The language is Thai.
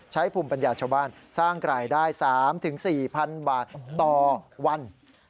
ภูมิปัญญาชาวบ้านสร้างรายได้๓๔๐๐๐บาทต่อวัน